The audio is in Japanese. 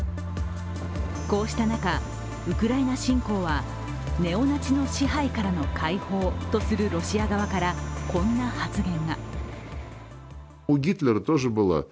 こうした中、ウクライナ侵攻はネオナチの支配からの解放とするロシア側から、こんな発言が。